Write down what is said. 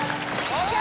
ＯＫ！